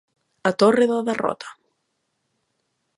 A torre da derrotA.